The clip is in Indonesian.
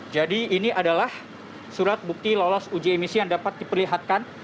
jadi ini adalah surat bukti lolos uji emisi yang dapat diperlihatkan